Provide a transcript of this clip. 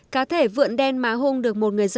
cá thể vượn đen má hung được một người dân tự do